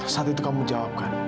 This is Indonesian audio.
saat itu kamu menjawabkan